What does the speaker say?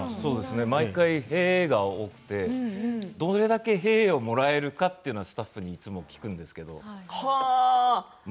毎回、へえが多くてどれだけへえをもらえるかとスタッフにいつも聞くんですけど